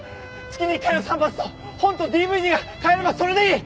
月に１回の散髪と本とＤＶＤが買えればそれでいい！